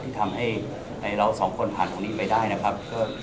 ที่ทำให้เราสองคนผ่านตรงนี้ไปได้นะครับ